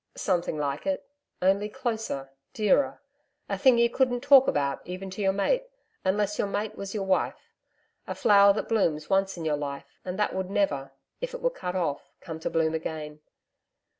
'Something like it, only closer, dearer a thing you couldn't talk about even to your mate unless your mate was your wife a flower that blooms once in your life, and that would never if it were cut off come to bloom again.